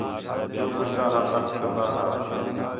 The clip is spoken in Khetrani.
جو ٻُجھدا ہا ترس کندا ہا